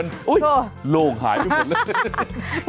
โอ้โหโล่งหายไปหมดเลย